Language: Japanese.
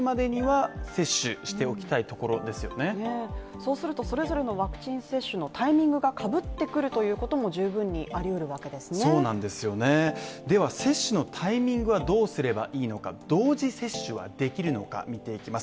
そうするとそれぞれのワクチン接種のタイミングがかぶってくるということも十分にありうるわけでは接種のタイミングはどうすればいいのか、同時接種はできるのか見ていきます。